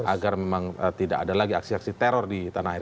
agar memang tidak ada lagi aksi aksi teror di tanah air